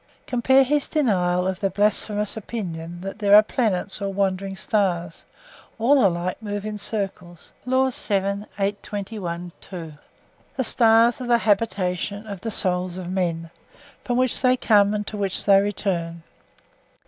(Compare his denial of the 'blasphemous opinion' that there are planets or wandering stars; all alike move in circles—Laws.) The stars are the habitations of the souls of men, from which they come and to which they return.